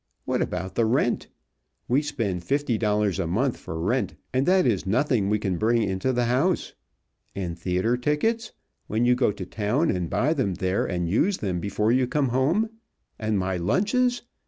What about the rent? We spend fifty dollars a month for rent, and that is nothing we bring into the house. And theater tickets, when you go to town and buy them there and use them before you come home. And my lunches.